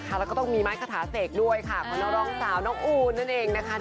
จะทำให้พี่ได้รู้ว่ารักกับหนูมันฟินไม่ไหว